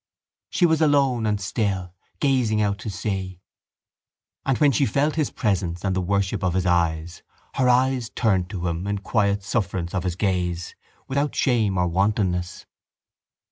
She was alone and still, gazing out to sea; and when she felt his presence and the worship of his eyes her eyes turned to him in quiet sufferance of his gaze, without shame or wantonness.